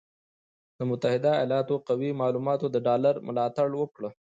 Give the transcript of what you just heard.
د متحده ایالاتو قوي معلوماتو د ډالر ملاتړ وکړ،